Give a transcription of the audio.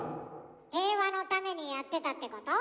平和のためにやってたってこと？